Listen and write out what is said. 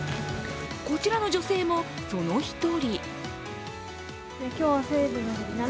こちらの女性もその一人。